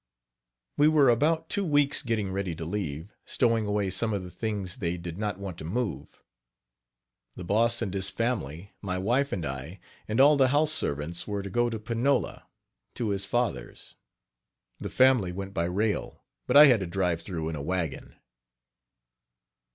We were about two weeks getting ready to leave, stowing away some of the things they did not want to move. The Boss and his family, my wife and I, and all the house servants were to go to Panola, to his father's. The family went by rail, but I had to drive through in a wagon.